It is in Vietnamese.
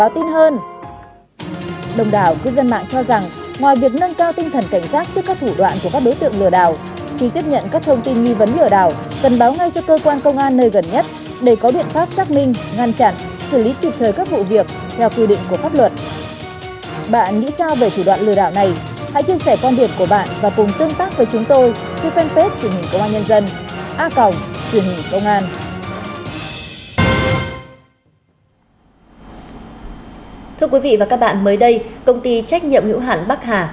thưa quý vị và các bạn mới đây công ty trách nhiệm hữu hẳn bắc hà